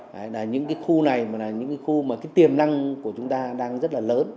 đấy là những cái khu này mà là những cái khu mà cái tiềm năng của chúng ta đang rất là lớn